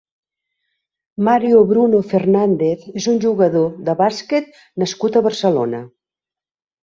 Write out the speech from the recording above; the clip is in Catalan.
Mario Bruno Fernández és un jugador de bàsquet nascut a Barcelona.